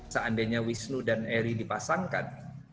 seandainya wisnu dan eri dipasangkan